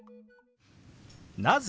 「なぜ？」。